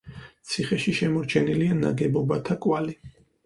ციხეში შემორჩენილია ნაგებობათა კვალი.